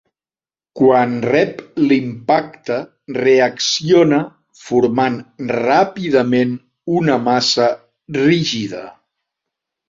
Quan rep l'impacte reacciona formant ràpidament una massa rígida.